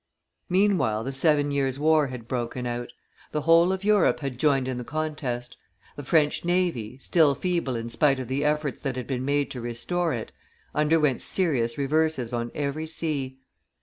Meanwhile the Seven Years' War had broken out; the whole of Europe had joined in the contest; the French navy, still feeble in spite of the efforts that had been made to restore it, underwent serious reverses on every sea.